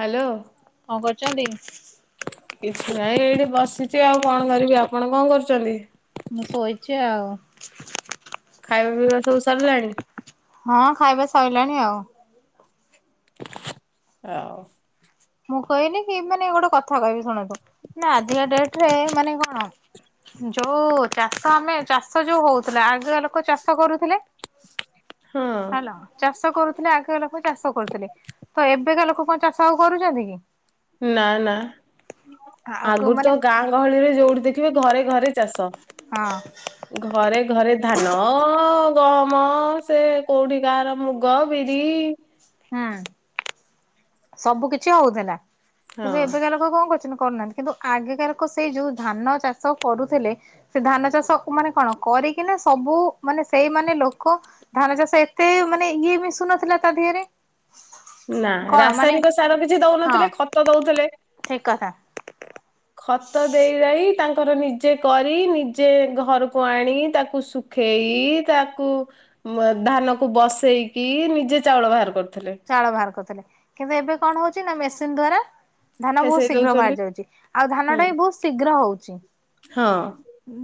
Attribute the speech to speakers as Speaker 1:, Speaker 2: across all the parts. Speaker 1: Hello କିଛି ନାଇଁ ଏଇଠି ବସିଚି ଆଉ କଣ କରିବି ଆପଣ କଣ କରୁଚନ୍ତି?
Speaker 2: ମୁଁ ଶୋଇଚ ଆଉ [inaudible]
Speaker 1: ଖାଇବା ପିବା ସବୁ ସରିଲାଣି।
Speaker 2: ହଁ ଖାଇବା ସଇଲାଣି ଆଉ।
Speaker 1: [inaudible] ହଉ
Speaker 2: ମୁଁ କହିଲି କି ମାନେ ଗୋଟେ କଥା କହିବି ଶୁଣନ୍ତୁ ନା ଆଜିକା ଡେଟେରେ ମାନେ କଣ ଯୋଉ ଚାଷ ଆମେ ଚାଷ ଯୋଉ ହୋଉଥିଲା ଆଗଆ ଲୋକ ଚାଷ କରୁଥିଲେ।
Speaker 1: ହଁ
Speaker 2: ହାଲୋ ଚାଷ କରୁଥିଲେ ଆଗ ଲୋକ ଚାଷ କରୁଥିଲେ ତ ଏବେ କା ଲୋକ କଣ ଚାଷ ଆଉ କରୁଚନ୍ତି କି?
Speaker 1: ନା ନା
Speaker 2: ଆଗ
Speaker 1: ଆଗରୁ
Speaker 2: ମାନେ
Speaker 1: ତ ଗାଁ ଗହଳିରେ ଯୋଉଠି ଦେଖିବେ ଘରେ ଘରେ ଚାଷ
Speaker 2: ହଁ
Speaker 1: ଘରେ ଘରେ ଧାନଅଂ। ଗହମ ସେ କୋଉଟି କା ର ମୁଗ ବିରି।
Speaker 2: ହୁଁ ସବୁ କିଛି ହଉଥିଲା
Speaker 1: ହଁ
Speaker 2: କିନ୍ତୁ ଏବେ କା ଲୋକ କଣଁ କରୁଛନ୍ତି? କରୁହାନ୍ତି କିନ୍ତୁ ଆଗେକାର କ ସେଇ ଯୋଉ ଧାନ ଚାଷ କରୁଥିଲେ ସେ ଧାନ ଚାଷ ମାନେ କଣ କ କରିକିନା ସବୁ ମାନେ ସେଇ ମାନେ ଲୋକ ଧାନ ଚାଷ ଏତେ ମାନେ ଇଏ ମିଶୁନଥିଲା ତା ଦିହେରେ।
Speaker 1: ନା ରାସାୟନିକ ସାର କିଛି
Speaker 2: ହଁ
Speaker 1: ଦୋଉନଥିଲେ ଖତ ଦୋଉଥିଲେ।
Speaker 2: ଠିକ କଥା
Speaker 1: ଖତ ଦେଇ ଦାଇ ତାଙ୍କର ନିଜେ କରି ନିଜେ ଘରକୁ ଆଣି ତାକୁ ଶୁଖେଇ ତାକୁ ମଂ ଧାନ କୁ ବସେଇକି ନିଜେ ଚାଉଳ ବାହାର କରୁ
Speaker 2: ଚାଉଳ ବାହାର କରୁଥିଲେ। କିନ୍ତୁ ଏବେ କଣ ହଉଚି ନା ମେସିନ ଦ୍ଵାରା ଧାନ ବହୁତ
Speaker 1: ଫେସେଇ
Speaker 2: ଶୀଘ୍ର
Speaker 1: ଦଉଛନ୍ତି
Speaker 2: ବାହାରି ଯାଉଚି ଆଉ ଧାନ
Speaker 1: ହୁଁ
Speaker 2: ଟା ବି ବହୁତ ଶୀଘ୍ର ହଉଚି।
Speaker 1: ହଁ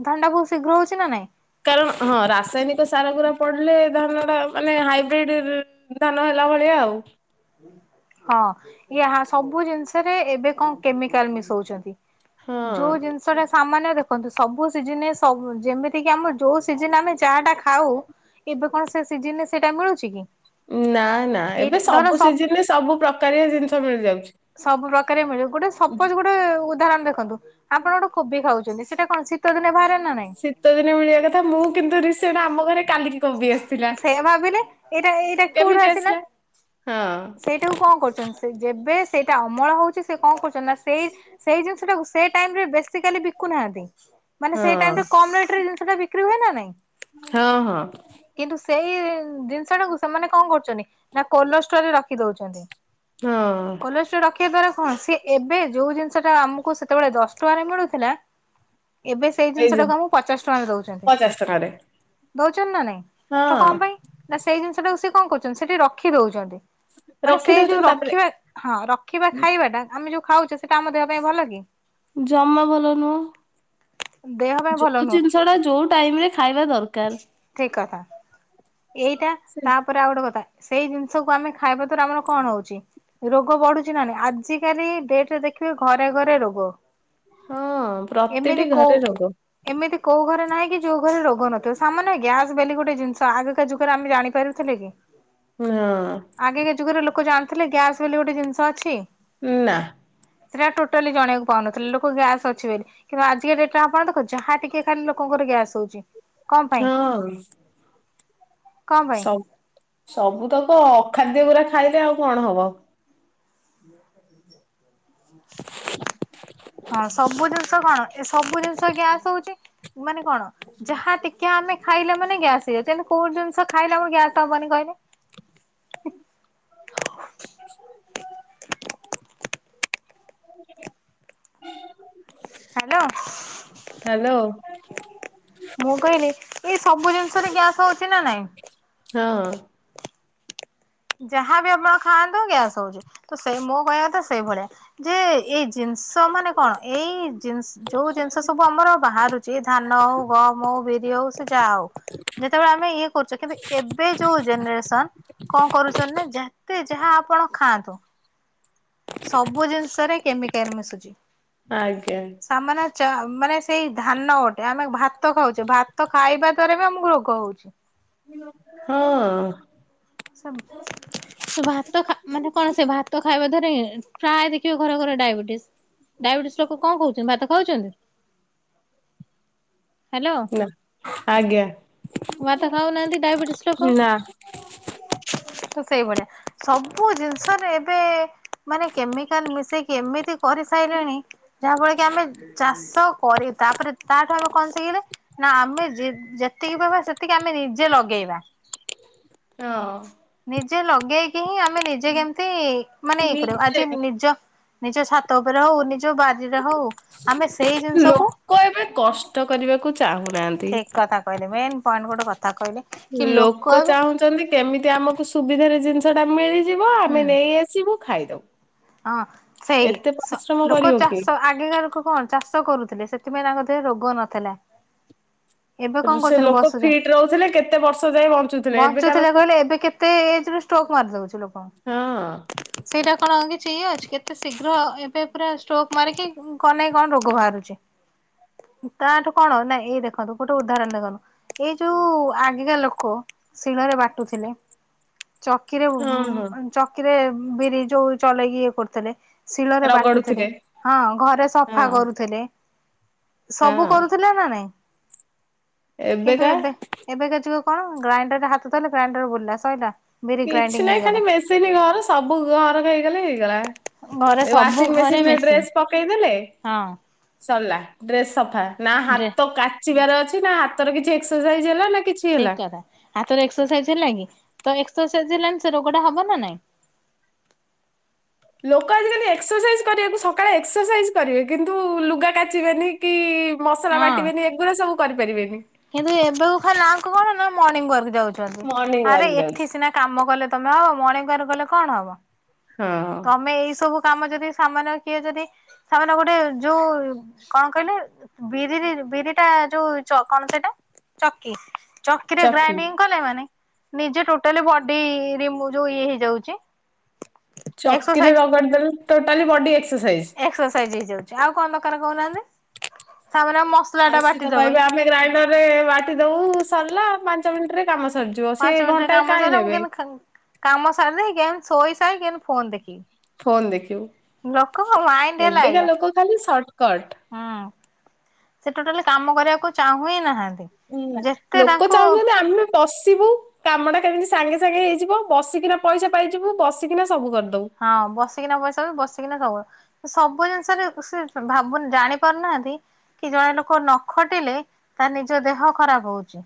Speaker 2: ଧାନଟା ବହୁତ ଶୀଘ୍ର ହୋଉଚି ନା ନାଇଁ?
Speaker 1: କାରଣ ହଁ ରାସାୟନିକ ସାର ଗୁରା ପଡିଲେ ଧାନ ଟା ମାନେ ହାଇବ୍ରିଡ ଧାନ ହେଲା ଭଳିଆ ଆଉ
Speaker 2: ହଁ ଇ ହା ସବୁ ଜିନିଷ ଏବେ କଣ କେମିକାଲ ମିଶୋଉଚନ୍ତି
Speaker 1: ହଁ
Speaker 2: ଯୋଉ ଜିନିଷଟା ସାମାନ୍ ଦେଖନ୍ତୁ ସବୁ ସିଜିନ୍ ନେ ସବୁ ଯେମିତି କି ଆମେ ଯୋଉ ସିଜିନ୍ ଆମେ ଯାହା ଟା ଖାଉ ଏବେ କଣ ସେ ସିିଜିନିନେ ସେଇଟା ମିଳୁଚି କି?
Speaker 1: ନା ନା ଏବେ
Speaker 2: ଏଇଟା ଧର
Speaker 1: ସବୁ
Speaker 2: ସବ
Speaker 1: ସିଜିନରେ ସବୁ ପ୍ରକାରିଆ ଜିନିଷ ମିଳିଯାଉଚି।
Speaker 2: ସବୁ ପ୍ରକାରିଆ ମିଳିବ ଗୋଟେ ସପୋଜ ଗୋଟେ ଉଦାହରଣ ଦେଖନ୍ତୁ ଆପଣ ଗୋଟେ କୋବି ଖାଉଚନ୍ତି। ସେଟା କଣ ଶୀତ ଦିନେ ବାହାରେ। ନା ନାଇଁ
Speaker 1: ଶୀତ ଦିନେ ମିଳିବା କଥା ମୁଁ କିନ୍ତୁ ରିସେଣ୍ଟେ ଆମ ଘରେ କାଲି
Speaker 2: ସେୟା ଭାବିଲେ ଏଇଟା ଏଇଟା କୋଉଁଠୁ ଆସିଲା।
Speaker 1: ହଁ
Speaker 2: ସେଇଟାକୁ କଣ କରୁଚନ୍ତି ସେ ଯେବେ ସେଇଟା ଅମଳ ହଉଚି ସେ କଣ କରୁଚନ୍ତି ନା ସେଇ ସେଇ ଜିନିଷଟାକୁ ସେଇ ଟାଇମରେ ବେସିକାଲି ବିକୁନାହାନ୍ତି। ମାନେ ସେଇ
Speaker 1: ହଁ।
Speaker 2: ଟାଇମ୍ ରେ କମ୍ ରେଟ ରେ ଜିନିଷ ଟା ବିକ୍ରି ହୁଏ ନା ନାଇଁ?
Speaker 1: ହଁ ହଁ।
Speaker 2: କିନ୍ତୁ। ସେଇ ଜିନିଷ ଟାକୁ ସେମାନେ କଣ କରୁଛନ୍ତି ନା କୋଲଷ୍ଟୋରେ ରଖି ଦଉଛନ୍ତି।
Speaker 1: ହଁ
Speaker 2: କୋଲେଷ୍ଟ୍ରର ରଖିବା ଦ୍ଵାରା କଣ ସି ଏବେ ଯୋଉଁ ଜିନିଷ ଟା ଆମକୁ ସେତେବେଳେ ଦଶ ଟଙ୍କାରେ ମିଳୁଥିଲା। ଏବେ ସେଇ
Speaker 1: ଏଇ
Speaker 2: ଜିନିଷ
Speaker 1: ଯୋଉ
Speaker 2: ଟାକୁ ଆମକୁ ପଚାଶ ଟଙ୍କାକୁ ଦଉଛନ୍ତି।
Speaker 1: ପଚାଶ ଟଙ୍କାରେ
Speaker 2: ନା ଦଉଛନ୍ତି ନାଇଁ
Speaker 1: ହଁ
Speaker 2: ତ କଣ ପାଇଁ ନା ସେଇ ଜିନିଷ ଟାକୁ ସିଏ କଣ କରୁଛନ୍ତି ସେଠି ରଖିଦଉଛନ୍ତି। ମାନେ ସେଇ ଯୋଉଁ
Speaker 1: ରଖିଦଉଛନ୍ତି ତାପରେ
Speaker 2: ରଖିବା ହଁ ରଖିବା ଖାଇବା ଟା ଆମେ ଯୋଉଁ ଖାଉଛେ ସେଟା ଆମ ଦେହ ପାଇଁ ଭଲ କି?
Speaker 1: ଜମା ଭଲ ନୁହଁ।
Speaker 2: ଦେହ ପାଇଁ ଭଲ
Speaker 1: ଯୋଉଁ
Speaker 2: ନୁହଁ
Speaker 1: ଜିନିଷ ଟା ଯୋଉଁ ଟାଇମରେ ଖାଇବା ଦରକାର।
Speaker 2: ଠିକ କଥା ଏଇଟା
Speaker 1: ସେ
Speaker 2: ତାପରେ ଆଉ ଗୋଟେ କଥା ସେଇ ଜିନିଷକୁ ଆମେ ଖାଇବା ଦ୍ଵାରା ଆମର କଣ ହଉଛି। ରୋଗ ବଢୁଛି ନାଁ ନାଇଁ ଆଜି କାଲି ଡେଟ୍ ଦେଖି ଘରେ ଘରେ ରୋଗ
Speaker 1: ହଁ
Speaker 2: ଏମିତି
Speaker 1: ପ୍ରତିଟି
Speaker 2: କୋଉଁ
Speaker 1: ଘରେ ରୋଗ
Speaker 2: ଏମିତି କୋଉଁ ଘର ନାଇଁକ କି ଯୋଉଁ ଘରେ ରୋଗ ନଥିବ ସାମାନ୍ୟ ଗ୍ୟାସ ବେଲି ଗୋଟେ ଜିନିଷ ଆଗକା ଯୁଗରେ ଆମେ ଜାଣିପାରୁଥିଲେ କି? ଆଗକା
Speaker 1: ହଁ।
Speaker 2: ଯୁଗରେ ଲୋକ ଜାଣିଥିଲେ ଗ୍ୟାସ୍ ବୋଲି ଗୋଟେ ଜିନିଷ ଅଛି।
Speaker 1: ନାଁ।
Speaker 2: ସେଇଟା ଟୋଟାଲି ଜାଣିବାକୁ ପାଉନଥିଲେ। ଲୋକ ଗ୍ୟାସ୍ ଅଛି ବୋଲି କିନ୍ତୁ ଆଜିକା ଡେଟ ଆପଣ ଦେଖ ଯାହା ଟିକେ ଖାଇଲେ ଲୋକଙ୍କ ଗ୍ୟାସ ହୋଉଚି।
Speaker 1: ହଁ।
Speaker 2: କଣ ପାଇଁ?
Speaker 1: ସବ ସବୁତକ ଅଖାଦ୍ୟ ଗୁରା ଖାଇଦେଲେ କଣ ହବ।
Speaker 2: ହଁ ସବୁ ଜିନିଷ କଣ ଏ ସବୁ ଜିନିଷ ଗ୍ୟାସ ହଉଛି। ମାନେ କଣ ଯାହା ଟିକେ ଆମେ ଖାଇଲେ ମାନେ ଗ୍ୟାସ୍ ହେଇଯାଉଚି। କୋଉଁ ଜିନିଷ ଖାଇଲେ ଆମର ଗ୍ୟାସ୍ ହବନି କ ହୋଉଚି।
Speaker 1: [inaudible] ହଁ
Speaker 2: ହ୍ୟାଲୋ ମୁଁ କହିଲି କି ସବୁ ଜିନିଷରେ ଗ୍ୟାସ ହଉ
Speaker 1: ହଁ।
Speaker 2: ଯାହାବି ଆପଣ ଖାଆନ୍ତୁ ଗ୍ୟାସ ହଉଚି ତ ସେଇ ମୋ କହିବା କଥା ସେଇ ଭଳିଆ ଯେ ଏଇ ଜିନିଷ ତା ମାନେ କଣ ଏଇ ଜିନି ଯୋଉଁ ଜିନିଷ ସବୁ ଆମର ବାହାରୁଚି ଧାନ, ଗହମ, ବିରି [unintelligible] ଯାହା ହଉ ଯେତେବେଳେ ଆମେ ଇଏ କରୁଛେ କିନ୍ତୁ ଏବେ ଯୋଉଁ ଜେନେରେସନ କଣ କରୁଚନ୍ତି ନା ଯେତେ ଯାହା ଆପଣ ଖାଆନ୍ତୁ। ସବୁ ଜିନିଷରେ କେମିକାଲ ମିଶୁଚି।
Speaker 1: ଆଜ୍ଞା।
Speaker 2: [unintelligible] ମାନେ ସେଇ ଧାନ ଗୋଟେ ଆମେ ଭାତ ଖାଉଛେ ଭାତ ଖାଇବା ଦ୍ଵାରା ବି ଆମକୁ ରୋଗ ହେଉଚି।
Speaker 1: ହଉ
Speaker 2: ସେ ଭାତ ମାନେ କଣ ସେ ଭାତ ଖାଇବା ପ୍ରାୟ ଦେଖିବ ଘରେ ଘରେ ଡାଇବେଟିସ ଡାଇବେଟିସ୍ ଲୋକ କଣ ଖାଉଚି ଭାତ ଖାଉଚନ୍ତି।
Speaker 1: ନାଁ। [unintelligible]
Speaker 2: ଭାତ ଖାଉନାହାନ୍ତି ଡାୟବିଟିସ୍ ଲୋକ।
Speaker 1: ନା
Speaker 2: ତ ସେଇଭଳିଆ ସବୁ ଜିନିଷରେ ଏବେ। ମାନେ କେମିକାଲ ମିଶେଇକି ଏମିତି କରିସାଇଲେଣି ଯାହାଫଳେ କି ଆମେ ଚାଷ ଆଉ କରେଇ ତାପରେ ତାଠୁ ଆମେ କଣ ଶିଖିଲଲେ ନା ଆମେ ଯେ ଯେତିକି ପଇବା ସେତିକି ଆମେ ନିଜେ। ଯେ ଲଗେଇବା।
Speaker 1: ହଁ।
Speaker 2: ନିଜେ ଲଗେଇକି ହିଁ ଆମେ ନିଜେ କେମିତି ମାନେ ଇଏ କରିବ
Speaker 1: ନିଜେ
Speaker 2: ଆଜି ନିଜ। ନିଜ ଛାତ ଉପରେ ହଉ ନିଜ ବାରିରେ ହଉ ଆମେ ସେଇ ଜିନିଷକୁ।
Speaker 1: ଲୋକ ଏବେ କଷ୍ଟ କରିବାକୁ ଚାହୁଁନାହାନ୍ତି।
Speaker 2: ଠିକ କଥା କହିଲେ ମେନ୍ ପଏଣ୍ଟ ଗୋଟେ କଥା କହିଲେ କି
Speaker 1: ଲୋକ
Speaker 2: ଏବେ
Speaker 1: ଚାହୁଁଛନ୍ତି କେମିତି ଆମ। କୁ ସୁବିଧାରେ ଜିନିଷ ଟା ମିଳିଯିବ
Speaker 2: ହୁଁ
Speaker 1: ଆମେ ନେଇ ଆସିବୁ ଖାଇଦବୁ।
Speaker 2: ହଁ ସେଇଆ
Speaker 1: ଏତେ
Speaker 2: ସ
Speaker 1: ପରିଶ୍ରମ
Speaker 2: ଲୋକ
Speaker 1: କରିବ କିଏ
Speaker 2: ଚାଷ ଆଗେକା ଲୋକ କଣ ଚାଷ। କରୁଥିଲେ ସେଥିପାଇଁ ତାଙ୍କ ଦେହରେ ରୋଗ ନଥିଲା। ଏବେ କଣ
Speaker 1: ସେ
Speaker 2: କରୁଛନ୍ତି
Speaker 1: ଲୋକ
Speaker 2: ବସୁଛ
Speaker 1: ଫିଟ୍ ରହୁଥିଲେ କେତେ ବର୍ଷ ଯାଏ ଏବେକା
Speaker 2: ବଞ୍ଚୁଥିଲେ
Speaker 1: ଲୋକ
Speaker 2: କହିଲ ଏବେ କେତେ ଏଜେ ରେ ଷ୍ଟ୍ରୋକ। ମାରି ଦଉଛି
Speaker 1: ହଁ
Speaker 2: ଲୋକଙ୍କୁ ସେଇଟା କଣ ହଉ କି ଠିକ ଅଛି କେତେ ଶୀଘ୍ର ଏବେ ପୁରା ଷ୍ଟ୍ରୋକ ମାରିକି କନ୍ ନାଇ କଣ ରୋଗ ବାହାରୁଛି। ତାଠୁ କଣ ନା ଏଇ ଦେଖନ୍ତୁ ଗୋଟେ ଉଦାହରଣ ଦେଖନ୍ତୁ ଏଇ ଯୋଉ ଆଗିକା ଲୋକ। ଶିଳରେ ବାଟୁଥିଲେ। ଚକିରେ
Speaker 1: ହଁ
Speaker 2: ବୁ
Speaker 1: ହଁ
Speaker 2: ଅ ଚକିରେ ବିରି ଯୋଉ ଚଲେଇକି ଇଏ କରୁଥିଲେ। ଶିଳରେ ବାଟୁଥିଲେ
Speaker 1: ରଗଡୁଥିଲେ
Speaker 2: ହଁ ଘରେ ସଫା
Speaker 1: ହଁ।
Speaker 2: କରୁଥିଲେ। ସବୁ
Speaker 1: ହଁ
Speaker 2: କରୁଥିଲା ନା ନାଇଁ। କିନ୍ତୁ
Speaker 1: ଏବେକା
Speaker 2: ଏବେ ଏବେକା ଯୁଗ କଣ ଗ୍ରାଇଣ୍ଡର ରେ ହାତ ଥୋଇଲେ ଗ୍ରାଇଣ୍ଡର ବୁଲିଲା ସଇଲା। ବିରି
Speaker 1: କିଛି
Speaker 2: ଗ୍ରାଇଣ୍ଡିଙ୍ଗ
Speaker 1: ନହିଁ ଖାଲି
Speaker 2: ହେଇଗଲା।
Speaker 1: ମେଶିନି ଘର ସବୁ ଘର ହେଇଗଲେ ହେଇଗଲା।
Speaker 2: ଘରେ ସବୁ
Speaker 1: ୱାସିଂ
Speaker 2: ଘରେ
Speaker 1: ମେସିନରେ
Speaker 2: ମେସିନ୍
Speaker 1: ଡ୍ରେସ୍ ପକେଇଦେଲେ
Speaker 2: ହଁ
Speaker 1: ସରିଲା। ଡ୍ରେସ ସଫା ନା
Speaker 2: ଡ୍ରେ
Speaker 1: ହାତ କାଚିବାର ଅଛି ନା ହାତର କିଛି ଏକ୍ସରସାଇଜ ହେଲା ନା। କିଛି
Speaker 2: ଠିକ
Speaker 1: ହେଲା।
Speaker 2: କଥା ହାତର ଏକ୍ସରସାଇଜ ହେଲା କି। ତ ଏକସରସାଇଜ ହେଲାନି ସେ ରୋଗଟା ହବ ନା ନାଇଁ।
Speaker 1: ଲୋକ ଆଜିକାଲି ଏକ୍ସରସାଇଜ କରିବାକୁ ସକାଳେ ଏକ୍ସରସାଇଜ କରିବେ କିନ୍ତୁ ଲୁଗା କାଚିବେନି କି। ମସଲା
Speaker 2: ହଁ।
Speaker 1: ବାଟିବେନି ଏଗୁଡା ସବୁ କରିପାରିବେନି।
Speaker 2: କିନ୍ତୁ ଏବେ କୁ ଖାଲି ନା କୁ କଣ ନା ମର୍ଣ୍ଣିଙ୍ଗ ୱାର୍କ। ଯାଉଛନ୍ତି
Speaker 1: ମର୍ଣ୍ଣିଂ
Speaker 2: ଆରେ
Speaker 1: ୱାକ୍
Speaker 2: ଏଠି
Speaker 1: ଯାଉଛି।
Speaker 2: ସିନା କାମ କଲେ ତମେ ହବ ମଣିଙ୍ଗି ୱାର୍କ ଗଲେ କଣ ହବ?
Speaker 1: ହଁ
Speaker 2: ତମେ ଏଇ ସବୁ। କାମ ଯଦି ସାମାନ୍ୟ କିୟେ ଯଦି ସାମାନ୍ୟ ଗୋଟେ ଯୋଉ କଣ କହିଲେ ବିରିରେ ବିରି ଟା ଯୋଉ ଚ କଣ ସେଇଟା ଚକି ଚକିରେ
Speaker 1: ଚକି
Speaker 2: ଗ୍ରାଇଣ୍ଡିଙ୍ଗ କଲେ ମାନେ। ନିଜେ ଟୋଟାଲି ବଡି ରିମୁ ଯୋଉ ଇଏ ହେଇ ଯାଉଛି।
Speaker 1: ଚକିରେ ରଗଡି ଦେଲେ ଟୋଟାଲି ବଡି ଏକ
Speaker 2: ଏକ୍ସରସାଇଜ ହେଇଯାଉଛି ଆଉ କଣ ଦରକାର କହୁନାହାନ୍ତି। ସାମାନ୍ୟ ମସଲା
Speaker 1: ଆଉ
Speaker 2: ଟା
Speaker 1: ସିଏ ତ
Speaker 2: ବାଟିବା
Speaker 1: କହିବେ
Speaker 2: ପାଇଁ
Speaker 1: ଆମେ ଗ୍ରାଇଣ୍ଡର ରେ ବାଟି ଦବୁ ସରିଲା ପାଞ୍ଚ ମିନିଟରେ। କାମ ସରିଯିବ ସିଏ
Speaker 2: ପାଞ୍ଚ ମିନିଟରେ
Speaker 1: ଘଣ୍ଟାଏ
Speaker 2: କାମ
Speaker 1: କାହିଁ
Speaker 2: ସାରିଲା ମୁଁ
Speaker 1: ନେବେ
Speaker 2: କେମତି ଖାନ କାମ ସାରି ଦେଇକି କେମତି ଶୋଇ ସାଇ କି କେମତିି ପୋ
Speaker 1: ଫୋନ ଦେଖି
Speaker 2: ଲୋକଙ୍କ ମାଇଣ୍ଡୀ ହେଲା ଏଇଆ
Speaker 1: ଲୋକ ଖାଲି ସର୍ଟକଟ।
Speaker 2: ହୁଁ। ସେ ଟୋଟାଲି କାମ କରିବାକୁ ଚାହୁ ହିଁ ନାହାନ୍ତି। ଯେତେ
Speaker 1: ଲୋକ
Speaker 2: ତାଙ୍କୁ
Speaker 1: ଚାହୁଁଛନ୍ତି ଆମେ ବସିବୁ କାମଟା କେମିତି। ସାଙ୍ଗେ ସାଙ୍ଗେ ହେଇଯିବ ବସିକିନା ପଇସା ପାଇଯିବୁ ବସିକିନା ସବୁ କରିିଦବୁ।
Speaker 2: ହଁ ବସିକିନା ପଇସା ପଇସା ପାଇବୁ ବସିକିନା ସବୁ। ସବୁ ଜିନିଷରେ ସେ ଭାବୁନି ଜାଣି ପାରୁନାହାନ୍ତି। କି ଜଣେ ଲୋକ ନ ଖଟିଲେ ତାର ନିଜ ଦେହ ଖରାପ ହଉଛି।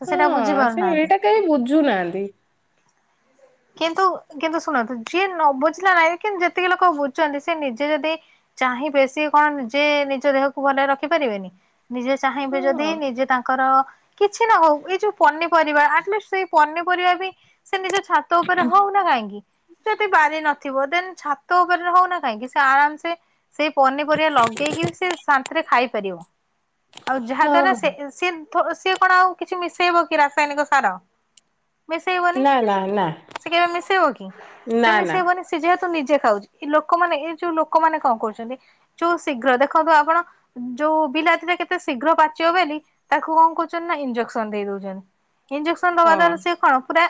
Speaker 2: ସେ ସେଟା
Speaker 1: ହଁ ସେ
Speaker 2: ବୁଝିପାରୁ ନାହାନ୍ତି।
Speaker 1: ଏଇଟା କେହି ବୁଝୁନାହାନ୍ତି
Speaker 2: କିନ୍ତୁ କିନ୍ତୁ ଶୁଣନ୍ତୁ ଯିଏ ନ ବୁଝିଲା ନାହିଁ କିନ୍ତୁ ଯେତିକି ଲୋକ ବୁଝୁଛନ୍ତି ସେ ନିଜେ ଯଦି। ଚାହିଁବେ ଶୀଏ କଣ ନିଯେ ନିଜ ଦେହକୁ ଭଲରେ ରଖି ପାରିବେନି। ନିଜେ ଚାହିଁବେ ଯଦି
Speaker 1: ହଁ।
Speaker 2: ନିଜେ ତାଙ୍କର କିଛି ନା ହଉ ଏଇ ଯୋଉ ପନି ପରିବା ଅଟଲିଷ୍ଟ ସେଇ ପନିପରିବା ବି ସେ ନିଜ ତୋ ଉପରେ ହଉନା କାହିଁକି ଯଦି ବାରି ନଥିବ ଦେ ଛାତ ଉପରେ ହଉନା କାହିଁକି ସେ ଆରାମ ସେ ସେଇ ପନିପରିବା ଲଗେଇକି ସେ ସାନ୍ତିରେ ଖାଇପାରିବ। ଆଉ ଯାହା
Speaker 1: ହଁ
Speaker 2: ଦ୍ଵାରା ସେ ସେ ସିଏ କଣ ଆଉ କିଛି ମିଶେଇବ କି ରାସାୟନିକ ସାର। ମିଶେଇବନି
Speaker 1: ନା ନା ନା।
Speaker 2: ସେ କେବେ ମିଶେଇବ କି
Speaker 1: ନା
Speaker 2: ସେ
Speaker 1: ନା
Speaker 2: ମିଶେଇବନି ସ ଯେହତ ନିଜେ ଖାଉଛି ଲୋକ ମାନେ ଏଇ ଯୋଉ ଲୋକମାନେ କଣ କରୁଛନ୍ତି ଯୋଉ ଶୀଘ୍ର ଦେଖନ୍ତୁ ଆପଣ ଯୋଉ ବିଲାତି ଟା କେତେ ଶୀଘ୍ର ପାଚିବ ବୋଲି ତାକୁ କଣ କହୁଛ ନା ଇଞ୍ଜେକ୍ସନ ଦେଇ ଦଉଛନ୍ତି। ଇଞ୍ଜେସନ ଦବା
Speaker 1: ହଁ
Speaker 2: ଦ୍ଵାରା ସିଏ କଣ ପୁରା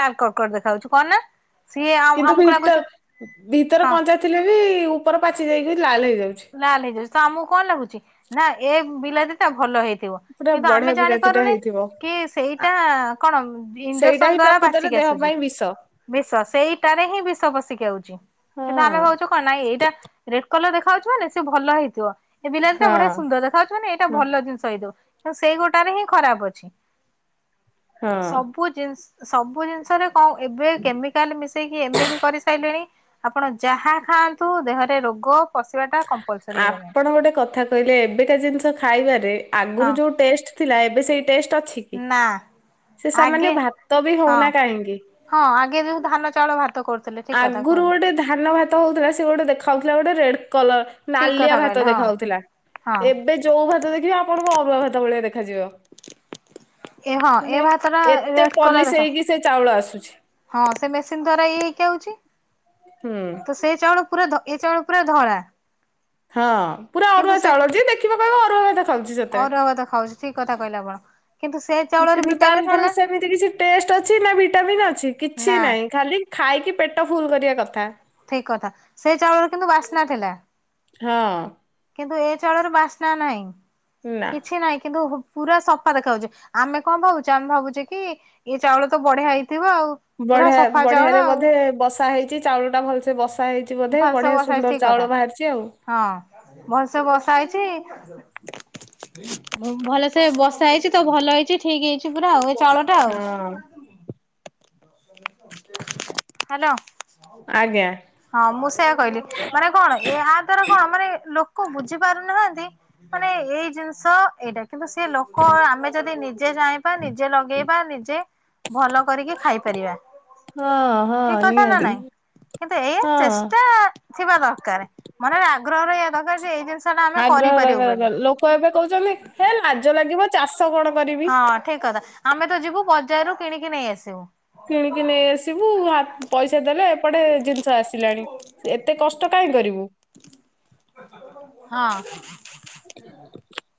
Speaker 2: ଲାଲ୍ କଡକଡ ଦେଖା ଯାଉଛି କଣ ନା ସିଏ
Speaker 1: କିନ୍ତୁ
Speaker 2: ଆମକୁ ଲାଗୁଛି
Speaker 1: ଭିତର ଭିତର
Speaker 2: ହଁ
Speaker 1: କଞ୍ଚା ଥିଲେ ବି ଉପର ପାଚି ଯାଇକି ଲାଲ ହେଇଯାଉ
Speaker 2: ଲାଲ ହେଇଯାଉଛି ତ ଆମକୁ କଣ ଲାଗୁଛି ନା ଏ ବିଲାତି ତା ଭଲ ହେଇ ଥିବ
Speaker 1: ପୁରା
Speaker 2: କିନ୍ତୁ
Speaker 1: ବଢିଆ
Speaker 2: ଆମେ ଜାଣି
Speaker 1: ବିଲାତି ଟା
Speaker 2: ପାରୁନେ?
Speaker 1: ହେଇଥିବ
Speaker 2: କି
Speaker 1: ଆ
Speaker 2: ସେଇଟା କଣ
Speaker 1: ସେଇଟା
Speaker 2: ଇଞ୍ଜେକ୍ସନ
Speaker 1: ହିଁ
Speaker 2: ଦ୍ଵାରା
Speaker 1: ପ୍ରକୃତରେ
Speaker 2: ପାଚିକି
Speaker 1: ଦେହ
Speaker 2: ଆସୁଛି।
Speaker 1: ପାଇଁ ବିଷ।
Speaker 2: ବିଷ ସେଇଟାରେ ହିଁ ବିଷ ବପସିଚି। କିନ୍ତୁ
Speaker 1: ହଁ
Speaker 2: ଆମେ ଭାବଛୁ କଣ ନାଇଁ ଏଇଟା ରେଡ କଲର ଦେଖା ଯାଉଛି ମାନେ ସେ ଭଲ ହେଇଥିବ। ଏ ବିଲାତିଟ
Speaker 1: ହଁ
Speaker 2: ବଢିଆ ସୁନ୍ଦର ଦେଖା ଯାଉଛି ମାନେ ଏଟା
Speaker 1: ହଁ।
Speaker 2: ଭଲ ଜିନିଷ ହେଇଥିବ। ସେଇ ଗୋଟାରେ ହିଁ ଖରାପ ଅଛି
Speaker 1: ହଁ
Speaker 2: ସବୁ ଜିନିଷ ସବୁ ଜିନିଷରେ କଣ ଏବେ କେମିକାଲ ମିଶେଇକି ଏମିତି କରିସାଇଲେଣି। ଆପଣ ଯାହା ଖାଆନ୍ତୁ ଦେହରେ ରୋଗ ପଶିବା ଟା କମ୍ପଲସରୀ ହେଇଗଲାଣି
Speaker 1: ଆପଣ ଗୋଟେ କଥା କହିଲେ ଏବେକା ଜିନିଷ ଖାଇବାରେ
Speaker 2: ହଁ
Speaker 1: ଆଗରୁ ଯୋଉ ଟେଷ୍ଟ ଥିଲା ଏବେ ସେଇ ଟେଷ୍ଟ ଅଛି କି?
Speaker 2: ନା।
Speaker 1: ସେ ସାମାନ୍ୟ
Speaker 2: ଆଗେ
Speaker 1: ଭାତ ବି
Speaker 2: ହଁ
Speaker 1: ହଉନା କାହିଁକି?
Speaker 2: ହଁ ଆଗେ ଯୋଉ ଧାନ ଚାଉଳ ଭାତ କରୁ
Speaker 1: ଆଗରୁ ଗୋଟେ ଧାନ ଭାତ ହଉଥିଲା ସେ ଗୋଟେ ଦେଖା ହାଉଥିଲା ଗୋଟେ ରେଡ କଲର
Speaker 2: ଠିକ
Speaker 1: ନାଲିଆ
Speaker 2: କଥା
Speaker 1: ଭାତ
Speaker 2: କହିଲେ ହଁ
Speaker 1: ଦେଖାଯାଉଥିଲା
Speaker 2: ହଁ।
Speaker 1: ଏବେ ଯୋଉ ଭାତ ଦେଖିବେ ଆପଣଙ୍କୁ ଅରୁଆ ଭାତ ଭଳିଆ ଦେଖ ଖାଜିବ
Speaker 2: ଏ ହଁ ଏ
Speaker 1: ମାନେ
Speaker 2: ଭାତ ଟା
Speaker 1: ଏତେ
Speaker 2: ରେଡ୍ କଲର
Speaker 1: ପଲିସ
Speaker 2: ଦେଖ
Speaker 1: ହେଇକି ସେ ଚାଉଳ ଆସୁଛି।
Speaker 2: ହଁ ସେ ମେସିନ ଦ୍ଵାରା ଇଥି ହେଉଛି
Speaker 1: ହୁଁ
Speaker 2: ତ ସେ ଚାଉଳ ପୁରା ଏ ଚାଉଳ ପୁରା ଧଳା।
Speaker 1: ହଁ ପୁରା
Speaker 2: କିନ୍ତୁ
Speaker 1: ଅରୁଆ
Speaker 2: ସେ
Speaker 1: ଚାଉଳ ଯିଏ ଦେଖିବ କହିବ ଅରୁଆ ଭାତ ଖାଉଚି ସେତେ
Speaker 2: ଅରୁଆ ଭାତ ଖାଉଛି ଠିକ କଥା କହିଲେ ଆପଣ। କିନ୍ତୁ ସେ ଚାଉଳରେ
Speaker 1: କିନ୍ତୁ ତାର
Speaker 2: ଭିଟାମିନ୍
Speaker 1: କଣ
Speaker 2: ଥିଲା
Speaker 1: ସେମିତି କିଛି ଟେଷ୍ଟ ଅଛି ନା ଭିଟାମିନ୍ ଅଛି କିଛି
Speaker 2: ନା
Speaker 1: ନାହିଁ ଖାଲି ଖାଇକି ପେଟ ଫୁଲ କରିବା କଥା।
Speaker 2: ଠିକ କଥା ସେଇ ଚାଉଳରେ କିନ୍ତୁ ବାସ୍ନା ଥିଲା।
Speaker 1: ହଁ।
Speaker 2: କିନ୍ତୁ ଏ ଚଳର ବାସ୍ନା ନାହିଁ
Speaker 1: ନା।
Speaker 2: କିଛି ନାହିଁ କିନ୍ତୁ? ପୁରା ସଫା ଦେଖାାଯାଉଛଛି ଆମେ କଣ ଭାବୁଛେ ଆମେ ଭାବୁଛେ କି ଏ ଚାଉଳ ତ ବଢିଆ ହେଇ
Speaker 1: ବଢିଆ ବଢିଆରେ ବୋଧେ ବସା ହେଇଛିି ଚାଉଳ ଟା ଭଲ ବସା ହେଇଛି ବୋଧେ
Speaker 2: ଭଲସେ
Speaker 1: ବଢିଆ
Speaker 2: ବସା ହେଇଛି
Speaker 1: ସୁନ୍ଦର
Speaker 2: ଠିକ କଥା
Speaker 1: ଚାଉଳ ବାହାରି ଆଉ।
Speaker 2: ହଁ ବଲଷ ବଶ। ହେଇଛି ତ [unintelligible] ଭଲସେ ବସା ହେଇଛି ତ ଭଲ ହେଇଛି ଠିକ ହେଇଛି ପୁରା ଆଉ। ଚାଉଳ ଟା
Speaker 1: ହଁ
Speaker 2: ଆଉ। ହ୍ୟାଲୋ।
Speaker 1: ଆଜ୍ଞା।
Speaker 2: ହଁ ମୁଁ ସେୟା କହିଲି ମାନେ କଣ ଏହା ଦ୍ଵାରା କଣ ମାନେ ଲୋକ ବୁଝି ପାରୁନାହାନ୍ତି ମାନେ ଏଇ ଜିନିଷ କିନ୍ତୁ ସିଏ ଲୋକ ଆମେ ଯଦି ନିଜେ ଯାଇବା ନିଜେ ଲଗେଇବା ନିଜେ ଭଲ କରିକି ଖାଇପାରିବା।
Speaker 1: ହଁ ହଁ ନିହାତି।
Speaker 2: ଇ
Speaker 1: ହଁ
Speaker 2: ଚେଷ୍ଟା ଥିବା ଦରକାର ମାନେ ଆଗ୍ରହ ରହିବା ଦରକାର ଯେ ଏଇ ଜିନିଷ ଟା ଆମେ
Speaker 1: ଆଗ୍ରହ
Speaker 2: କରିପାରିବୁ ବୋଲି।
Speaker 1: ରହିବାର ଲୋକ ଏବେ କହୁଛନ୍ତି ହେ ଲାଜ ଲାଗିବ। ଚାଷ କଣ କରିବି।
Speaker 2: ହଁ ଠିକ କଥା ଆମେ ତ ଯିବୁ ବଜାରରୁୁ କିଣିକି ନେଇ ଆସିବୁ।
Speaker 1: କିଣିକି ନେଇ ଆସିବୁ ହା ପଇସା ଦେଲେ ଏପଟେ ଜିନିଷ ଆସିଲାଣି ଏତେ କଷ୍ଟ କାହିଁ କରିବୁ।
Speaker 2: ହଁ [unintelligible]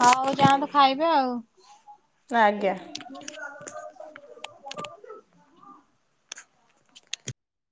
Speaker 2: ହୋଉ ଯାଆନ୍ତୁ ଖାଇବେ ଆଉ।
Speaker 1: ଆଜ୍ଞା।